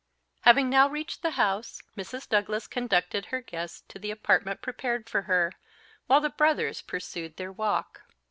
Having now reached the house, Mrs. Douglas conducted her guest to the apartment prepared for her, while the brothers pursued their walk.